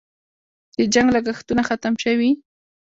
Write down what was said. د جنګ لګښتونه ختم شوي؟